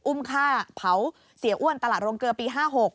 อุ้มฆ่าเผาเสียอ้วนตลาดโรงเกลือปี๕๖